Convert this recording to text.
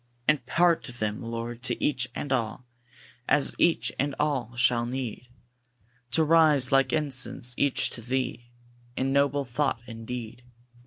And part them, Lord, to each and all, As each and all shall need, To rise like incense, each to Thee, In noble thought and deed.